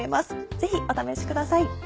ぜひお試しください。